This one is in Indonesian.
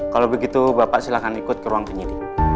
kalau begitu bapak silahkan ikut ke ruang penyidik